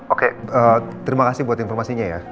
oke terima kasih buat informasinya ya